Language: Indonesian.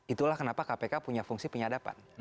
itulah kenapa kpk punya fungsi penyadapan